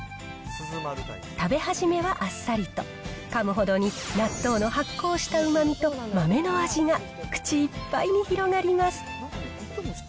食べ始めはあっさりと、かむほどに納豆の発酵したうまみと豆の味が口いっぱいに広がります。